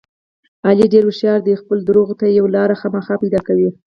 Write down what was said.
علي ډېر هوښیار دی خپلو درغو ته یوه لاره خامخا پیدا کوي.